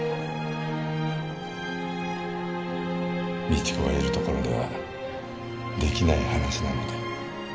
未知子がいるところでは出来ない話なので。